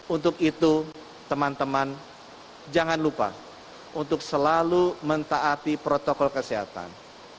untuk itu teman teman jangan lupa untuk selalu mentaati protokol kesehatan